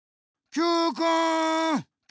Ｑくん！